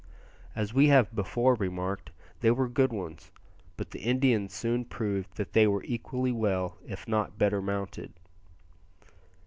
As we have before remarked, they were good ones; but the Indians soon proved that they were equally well if not better mounted.